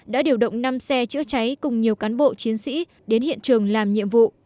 đã điều động năm xe chữa cháy cùng nhiều cán bộ chiến sĩ đến hiện trường làm nhiệm vụ